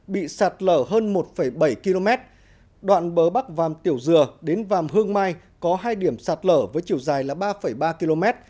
bị sạt lở hơn một bảy km đoạn bờ bắc vàm tiểu dừa đến vàm hương mai có hai điểm sạt lở với chiều dài là ba ba km